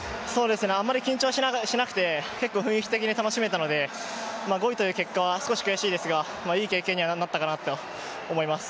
あまり緊張はしなくて結構雰囲気的に楽しめたので５位という結果は少し悔しいですがいい経験にはなったかなと思います。